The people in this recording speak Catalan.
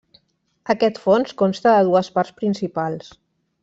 Aquest fons consta de dues parts principals.